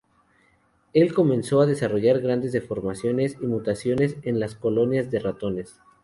Él comenzó a desarrollar grandes deformaciones y mutaciones, en las colonias de ratones.